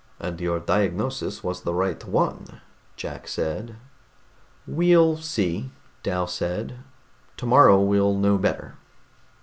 "And your diagnosis was the right one," Jack said. "We'll see," Dal said. "Tomorrow we'll know better."